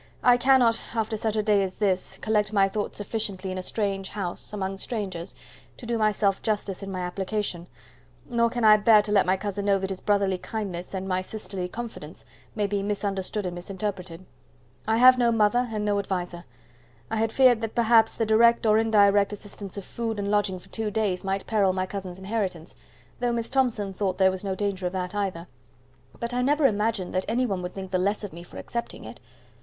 I cannot, after such a day as this, collect my thoughts sufficiently in a strange house, among strangers, to do myself justice in my application, nor can I bear to let my cousin know that his brotherly kindness, and my sisterly confidence, may be misunderstood and misinterpreted. I have no mother, and no adviser. I had feared that perhaps the direct or indirect assistance of food and lodging for two days might peril my cousin's inheritance, though Miss Thomson thought there was no danger of that either, but I never imagined that any one would think the less of me for accepting it.